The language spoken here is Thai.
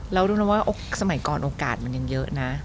และดูนับว่าสมัยก่อนโอกาสมัยก่อนมันยังเยอะนะ